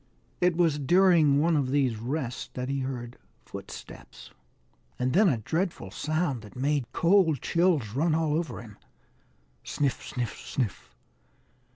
It was during one of these rests that he heard footsteps, and then a dreadful sound that made cold chills run all over him. Sniff, sniff, sniff!